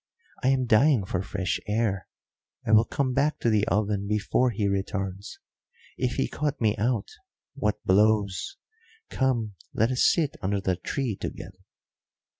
I am dying for fresh air. I will come back to the oven before he returns. If he caught me out, what blows! Come, let us sit under the tree together."